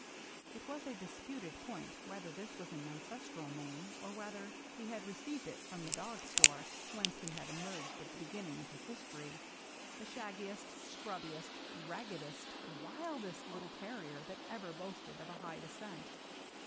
It was a disputed point whether this were an ancestral name^ or whether he had received it from the dog store^ whence he had emerged at the beginning of his tory, — the shaggiest, scrubbiest, raggedest, wildest little terrier that ever boasted of a high descent.